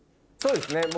そうですね